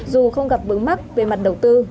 dù không gặp bứng mắc về mặt đầu tư